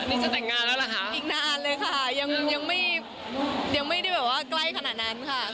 อีกนานเลยค่ะยังไม่ได้แบบว่าใกล้ขนาดนั้นค่ะ